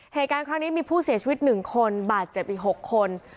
เหตุการณ์ครั้งนี้มีผู้เสียชีวิต๑คนบาดเจ็บอีก๖คน